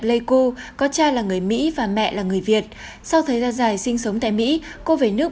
pleiku có cha là người mỹ và mẹ là người việt sau thời gian dài sinh sống tại mỹ cô về nước